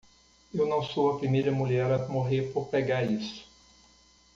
Eu não sou a primeira mulher a morrer por pregar isso.